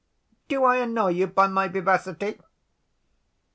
Do I annoy you by my vivacity?"